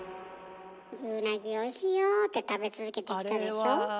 「ウナギおいしいよ」って食べ続けてきたでしょ？